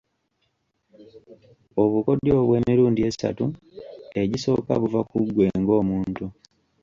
Obukodyo obw’emirundi esatu egisooka buva ku ggwe ng’omuntu.